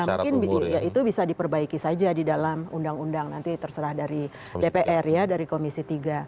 mungkin ya itu bisa diperbaiki saja di dalam undang undang nanti terserah dari dpr ya dari komisi tiga